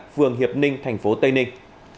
vườn hiệp ninh thành phố tây ninh